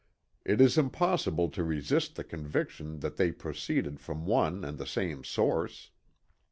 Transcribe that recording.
It is impossible to resist the conviction, that they proceeded from one and the same source.